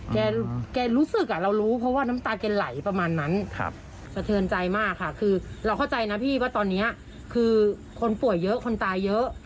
แกรู้สึกอ่ะเรารู้เพราะว่าน้ำตาแกไหลประมาณนั้นสะเทือนใจมากค่ะคือเราเข้าใจนะพี่ว่าตอนนี้คือคนป่วยเยอะคนตายเยอะ